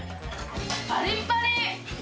パリパリ！